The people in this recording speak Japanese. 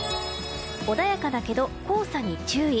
穏やかだけど黄砂に注意。